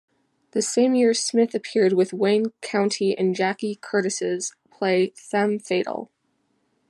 The same year Smith appeared with Wayne County in Jackie Curtis's play "Femme Fatale".